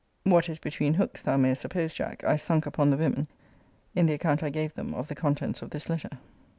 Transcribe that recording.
* What is between hooks [] thou mayest suppose, Jack, I sunk upon the women, in the account I gave them of the contents of this letter.